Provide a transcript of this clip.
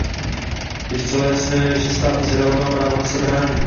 Je zcela jasné, že stát Izrael má právo se bránit.